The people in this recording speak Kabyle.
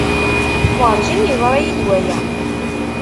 Werjin yeḍra-iyi-d waya.